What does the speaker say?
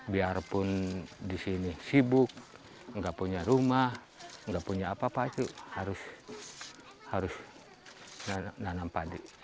biarpun di sini sibuk nggak punya rumah nggak punya apa apa itu harus nanam padi